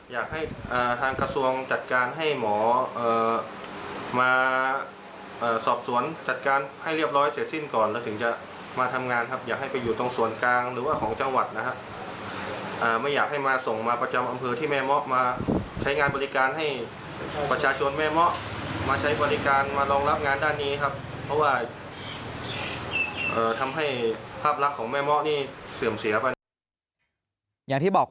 อยากให้ทางกระทรวงจัดการให้หมอมาสอบสวนจัดการให้เรียบร้อยเสร็จสิ้นก่อนแล้วถึงจะมาทำงานครับอยากให้ไปอยู่ตรงส่วนกลางหรือว่าของจังหวัดนะฮะไม่อยากให้มาส่งมาประจำอำเภอที่แม่เมาะมาใช้งานบริการให้ประชาชนแม่เมาะมาใช้บริการมารองรับงานด้านนี้ครับเพราะว่าทำให้ภาพลักษณ์ของแม่เมาะนี่เสื่อมเสียไป